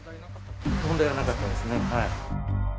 問題はなかったですね。